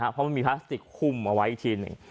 เพราะมันมีพลาสติกหุ้มเอาไว้อีกทีหนึ่ง